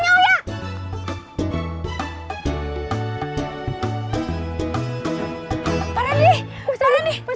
eeh eeh itu itu